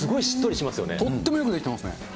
とってもよくできていますね。